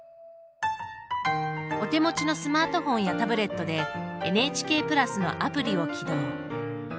お手持ちのスマートフォンやタブレットでＮＨＫプラスのアプリを起動。